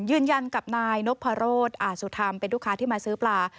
ยืนยันกับนายนพรสอาสุธรรมเป็นลูกค้าที่มาซื้อปลา